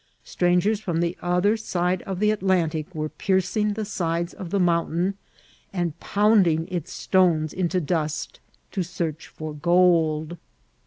Strangers (ram the other side of the Atlantic were pier cing the sides of the mountain, and pounding its stones into dust to search for gold.